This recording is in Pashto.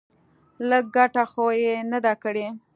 لږه گټه خو يې نه ده کړې.